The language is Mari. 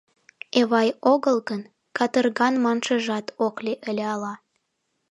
Эвай огыл гын, катырган маншыжат ок лий ыле ала.